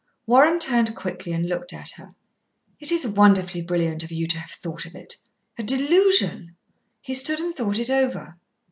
Warren turned quickly and looked at her. "It is wonderfully brilliant of you to have thought of it. A delusion?" He stood and thought it over.